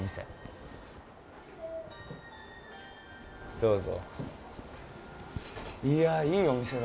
どうぞ。